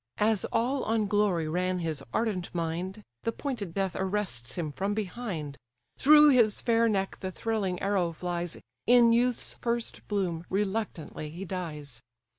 As all on glory ran his ardent mind, The pointed death arrests him from behind: Through his fair neck the thrilling arrow flies; In youth's first bloom reluctantly he dies.